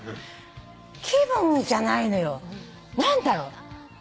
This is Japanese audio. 気分じゃないのよ何だろう。